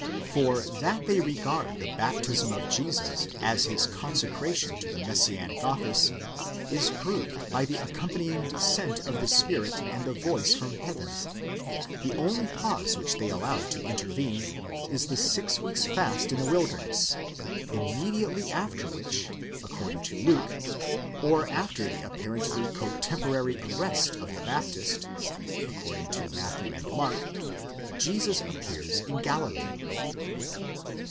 For that they regard the baptism of Jesus as his consecration to the Messianic office, is proved by the accompanying descent of the spirit and the voice from heaven; the only pause which they allow to intervene, is the six weeks' fast in the wilderness, immediately after which, according to Luke, or after the apparently cotem porary arrest of the Baptist, according to Matthew and Mark, Jesus appears in Galilee.